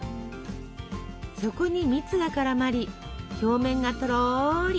そこに蜜が絡まり表面がとろり。